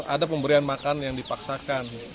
ada pemberian makan yang dipaksakan